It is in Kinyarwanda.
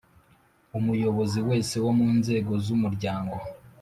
Umuyobozi wese wo munzego z umuryango